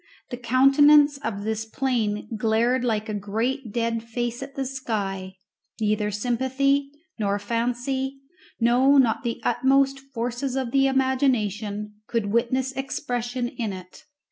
The countenance of this plain glared like a great dead face at the sky; neither sympathy, nor fancy, no, not the utmost forces of the imagination, could witness expression in it.